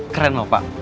keren loh pak